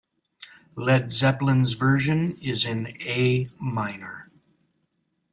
Led Zeppelin's version is in A minor.